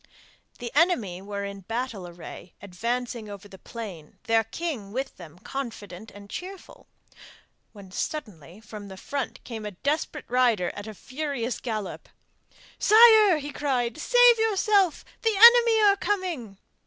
The enemy were in battle array, advancing over the plain, their king with them confident and cheerful, when suddenly from the front came a desperate rider at a furious gallop. 'Sire!' he cried, 'save yourself! the enemy are coming!